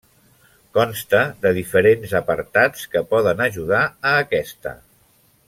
Consta de diferents apartats que poden ajudar a aquesta.